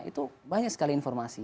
itu banyak sekali informasi